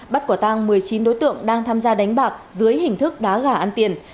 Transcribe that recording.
bắt quả tăng một mươi chín đối tượng đang tham gia đánh bạc dưới hình thức đá gà ăn tiền